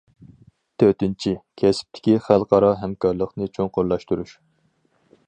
تۆتىنچى، كەسىپتىكى خەلقئارا ھەمكارلىقنى چوڭقۇرلاشتۇرۇش.